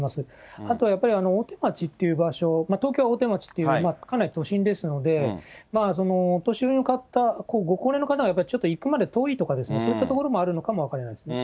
あとはやっぱり大手町っていう場所、東京・大手町っていうかなり都心ですので、お年寄りの方、ご高齢の方はちょっと行くまで遠いとか、そういったところもあるのかも分からないですね。